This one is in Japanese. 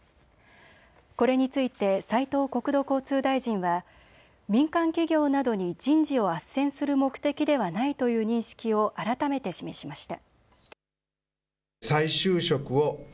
これについて斉藤国土交通大臣は民間企業などに人事をあっせんする目的ではないという認識を改めて示しました。